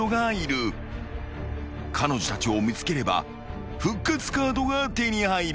［彼女たちを見つければ復活カードが手に入る］